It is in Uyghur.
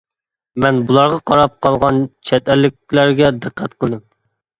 مەن بۇلارغا قاراپ قالغان چەت ئەللىكلەرگە دىققەت قىلدىم.